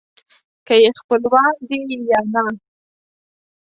که یې خپلوان دي یا نه.